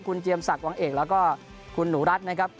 คุณเจียมศักดิวังเอกแล้วก็คุณหนูรัฐนะครับ